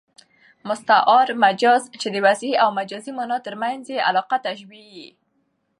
مستعار مجاز، چي د وضعي او مجازي مانا تر منځ ئې علاقه تشبېه يي.